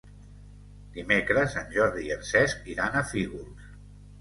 Dimecres en Jordi i en Cesc iran a Fígols.